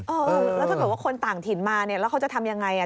แล้วถ้าเกิดว่าคนต่างถิ่นมาเนี่ยแล้วเขาจะทำยังไง